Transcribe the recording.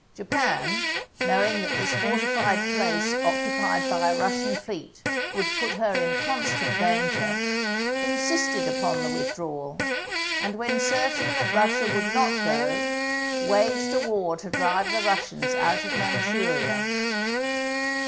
Japan, knowing that this fortified place occupied by a Russian fleet would put her in constant dan ger, insisted upon the withdrawal, and when certain that Russia would not go, waged a war to drive the Russians out of Manchuria.